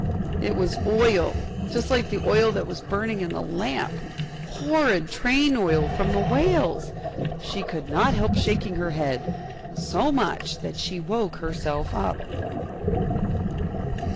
it was oil, just like the oil that was burning in the lamp! horrid train oil from the whales! She could not help shaking her head, so much that she woke herself up!